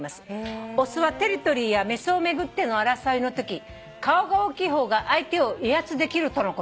「雄はテリトリーや雌を巡っての争いのとき顔が大きい方が相手を威圧できるとのこと」